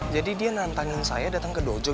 jadi dia nantangin saya dateng ke dojo